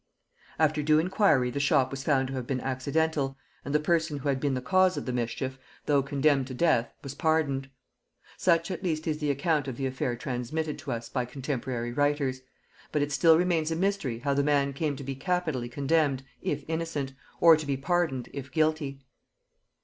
After due inquiry the shot was found to have been accidental, and the person who had been the cause of the mischief, though condemned to death, was pardoned. Such at least is the account of the affair transmitted to us by contemporary writers; but it still remains a mystery how the man came to be capitally condemned if innocent, or to be pardoned if guilty.